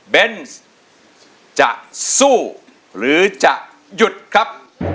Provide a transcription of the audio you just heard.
เบนส์จะสู้หรือจะหยุดครับ